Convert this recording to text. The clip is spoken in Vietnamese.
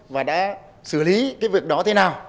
và đã xử lý cái việc đó thế nào